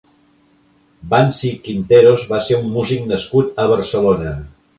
Bansi Quinteros va ser un músic nascut a Barcelona.